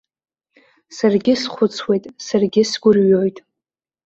Саргьы схәыцуеит, саргьы сгәырҩоит.